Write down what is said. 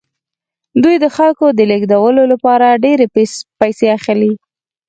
دوی د خلکو د لیږدولو لپاره ډیرې پیسې اخلي